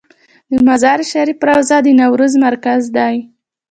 د مزار شریف روضه د نوروز مرکز دی